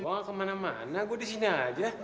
gue gak kemana mana gue disini aja